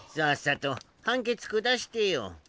さっさと判決下してよ。